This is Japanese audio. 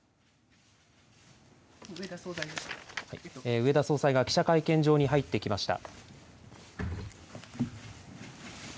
植田総裁が記者会見場に入ってきました。